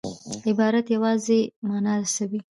عبارت یوازي مانا رسوي.